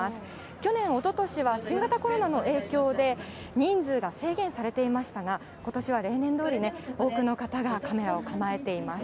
去年、おととしは新型コロナの影響で人数が制限されていましたが、ことしは例年どおり、多くの方がカメラを構えています。